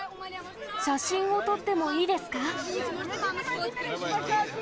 写真を撮ってもいいですか？